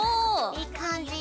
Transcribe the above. いい感じ！